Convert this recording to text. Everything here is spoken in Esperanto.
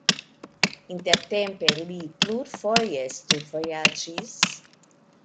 Intertempe li plurfoje studvojaĝis.